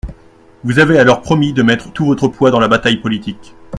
Vous avez alors promis de mettre tout votre poids dans la bataille politique.